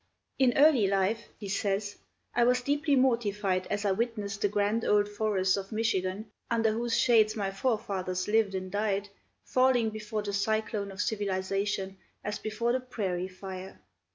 "In early life," he says, "I was deeply mortified as I witnessed the grand old forests of Michigan, under whose shades my forefathers lived and died, falling before the cyclone of civilization as before the prairie fire.